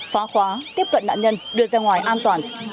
phá khóa tiếp cận nạn nhân đưa ra ngoài an toàn